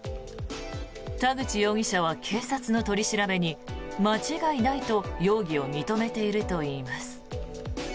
田口容疑者は警察の取り調べに間違いないと容疑を認めているといいます。